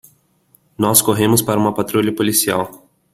Nós corremos para uma patrulha policial.